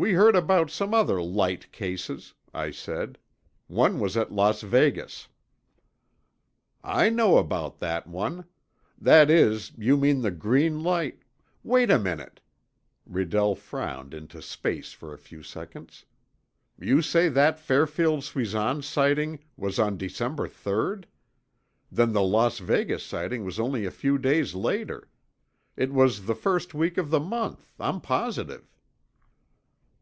"We heard about some other 'light' cases," I said. "One was at Las Vegas." "I know about that one. That is, it you mean the green light—wait a minute!" Redell frowned into space for a few seconds, "You say that Fairfield Suisan sighting was on December third? Then the Las Vegas sighting was only a few days later. It was the first week of the month, I'm positive."